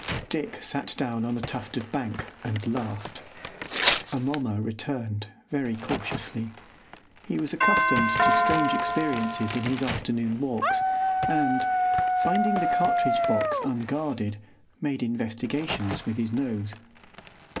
Dick sat down on a tuft of bank and laughed. Amomma returned very cautiously. He was accustomed to strange experiences in his afternoon walks, and, finding the cartridge box unguarded, made investigations with his nose.